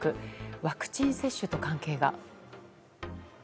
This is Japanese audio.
ワクチン接種と関係が。